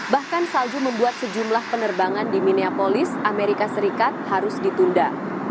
bahkan salju membuat sejumlah penerbangan di mineapolis amerika serikat harus ditunda